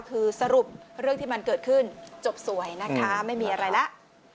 คือสรุปเรื่องที่มันเกิดขึ้นจบสวยนะคะไม่มีอะไรแล้ว